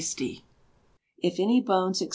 If any bones, &c.